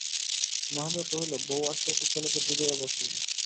মহেন্দ্র কহিল, বউ আসিয়া তো ছেলেকে জুড়িয়া বসেই।